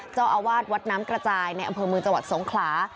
เจ้าอาวาสวัดน้ำกระจายในอำเภอเมืองจังหวัดสงขลา